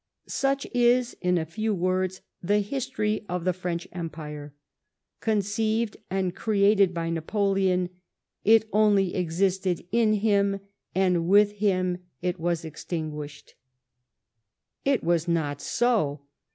" Such is, in a few words, the history of the French Empire. Con ceived and created by Napoleon, it only existed in him ; and with him it was extinguished." It was not so.